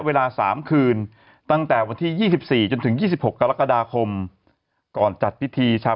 เวลา๓คืนตั้งแต่วันที่๒๔จนถึง๒๖กรกฎาคมก่อนจัดพิธีชาว